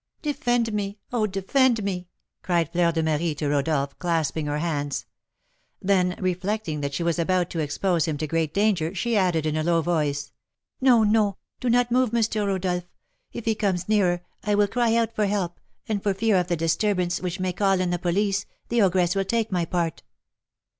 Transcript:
"Defend me! oh, defend me!" cried Fleur de Marie to Rodolph, clasping her hands. Then, reflecting that she was about to expose him to great danger, she added, in a low voice, "No, no, do not move, Mister Rodolph; if he comes nearer, I will cry out for help, and for fear of the disturbance, which may call in the police, the ogress will take my part."